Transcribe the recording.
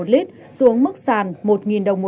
một lít xuống mức sàn một đồng